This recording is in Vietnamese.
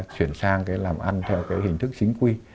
chuyển sang làm ăn theo hình thức chính quy